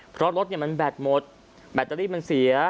เพราะรถเนี่ยมันแบตหมดแบตเตอรี่มันเสีย